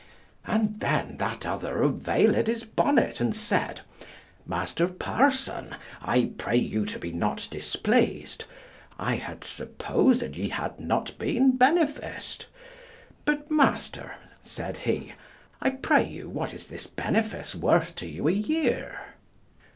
And then that other availed his bonnet and said, "Master parson, I pray you to be not displeased; I had supposed ye had not been beneficed; but master," said he, "I pray you what is this benefice worth to you a year?"